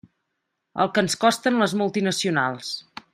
El que ens costen les multinacionals.